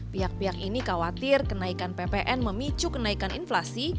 pihak pihak ini khawatir kenaikan ppn memicu kenaikan inflasi